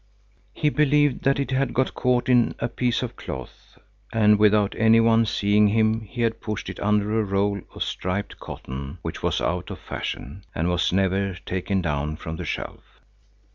He believed that it had got caught in a piece of cloth, and without any one's seeing him he had pushed it under a roll of striped cotton which was out of fashion and was never taken down from the shelf.